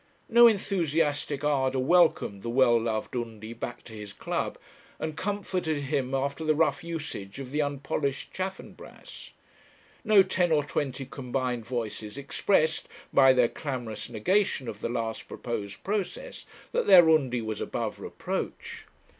No enthusiastic ardour welcomed the well loved Undy back to his club, and comforted him after the rough usage of the unpolished Chaffanbrass. No ten or twenty combined voices expressed, by their clamorous negation of the last proposed process, that their Undy was above reproach.